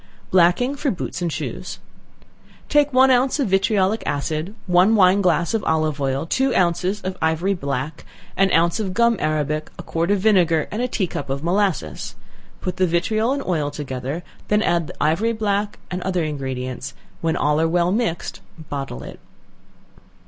Blacking for Boots and Shoes. Take one ounce of vitriolic acid, one wine glass of olive oil, two ounces of ivory black, an ounce of gum arabic, a quart of vinegar, and a tea cup of molasses; put the vitriol and oil together, then add the ivory black and other ingredients; when all are well mixed, bottle it.